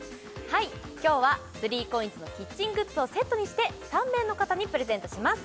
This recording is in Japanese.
今日は３ＣＯＩＮＳのキッチングッズをセットにして３名の方にプレゼントします